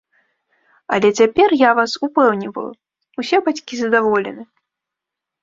Але цяпер, я вас упэўніваю, усе бацькі задаволены!